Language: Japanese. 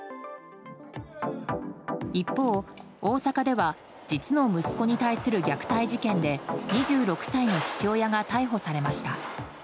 一方、大阪では実の息子に対する虐待事件で２６歳の父親が逮捕されました。